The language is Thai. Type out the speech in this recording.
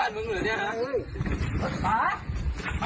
ช่วยด้วยหมอ